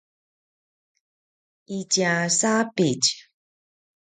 itja sapitj